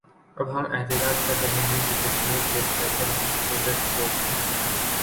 اب ہم احتجاج کر رہے ہیں کہ کشمیر کے سپیشل سٹیٹس کو